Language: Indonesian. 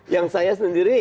yang saya sendiri